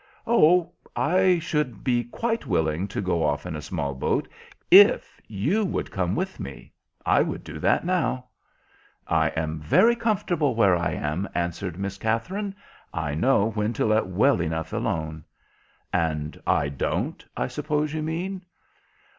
"Oh, I should be quite willing to go off in a small boat if you would come with me. I would do that now." "I am very comfortable where I am," answered Miss Katherine. "I know when to let well enough alone." "And I don't, I suppose you mean?"